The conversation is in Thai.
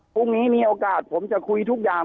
พรุ่งนี้มีโอกาสผมจะคุยทุกอย่าง